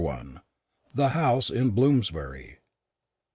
THE HOUSE IN BLOOMSBURY.